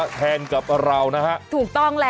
สวัสดีครับสวัสดีครับ